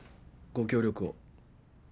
ご協力を。